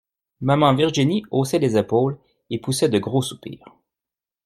Maman Virginie haussait les épaules, et poussait de gros soupirs.